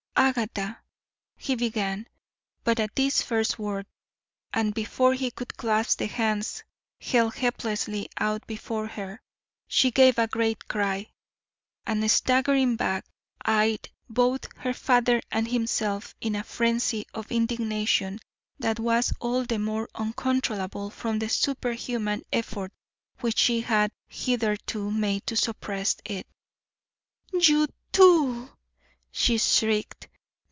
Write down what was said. "Agatha," he began, but at this first word, and before he could clasp the hands held helplessly out before her, she gave a great cry, and staggering back, eyed both her father and himself in a frenzy of indignation that was all the more uncontrollable from the superhuman effort which she had hitherto made to suppress it. "You too!" she shrieked.